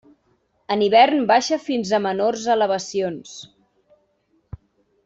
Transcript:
En hivern baixa fins a menors elevacions.